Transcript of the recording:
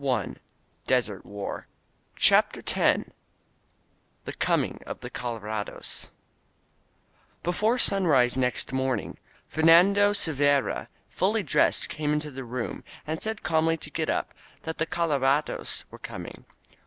•" INSURGENT MEXICO CHAPTER X THE CX)MING OF THE COLORADOS BEFORE sunrise next morning, Fernando Sil veyra, fully dressed, came into the room and said calmly to get up, that the colorados were coming.